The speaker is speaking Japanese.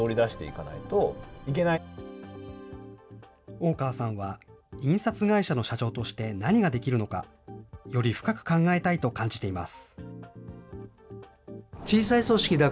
大川さんは、印刷会社の社長として何ができるのか、より深く考えたいと感じています。